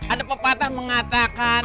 ada pepatah mengatakan